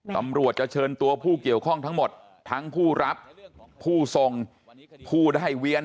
ตำรวจจะเชิญตัวผู้เกี่ยวข้องทั้งหมดทั้งผู้รับผู้ทรงผู้ได้เวียน